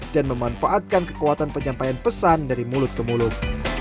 dan memanfaatkan kekuatan penyampaian pesan dari mulut ke mulut